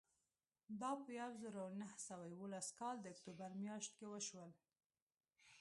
دا په زر نه سوه اوولس کال د اکتوبر میاشت کې وشول